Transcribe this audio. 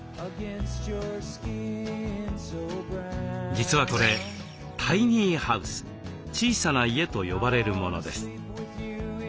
実はこれタイニーハウス小さな家と呼ばれるものです。